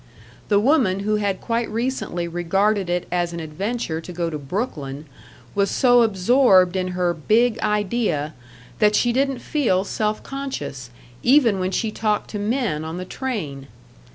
The woman who had quite recently regarded it as an adventure to go to Brooklyn was so absorbed in her Big Idea that she didn't feel self conscious even when she talked to men on the train.